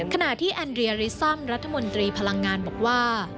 ขณะที่แอนเรียริซัมรัฐมนตรีพลังงานบอกว่า